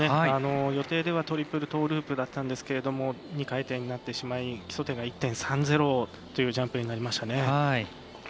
予定ではトリプルトーループだったんですが２回転になってしまい基礎点が１．３０というジャンプになりましたね。